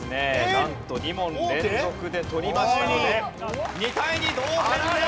なんと２問連続で取りましたので２対２同点です。